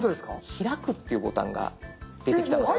「開く」っていうボタンが出てきたと。